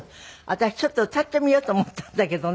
私ちょっと歌ってみようと思ったんだけどね。